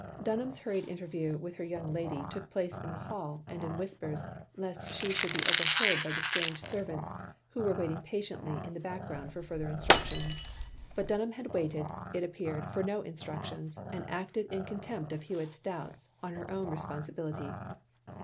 Dunham's hurried interview with her young lady took place in the hall, and in whispers, lest she [should be overheard by the stmnge ser vants, who were waiting patiently in the back ground for further instructions; but Dunham had OF GROSVENOR SQUARE 339 waited, it appeared, for no instructions, and acted in contempt of Hewitt's doubts, on her own responsibility.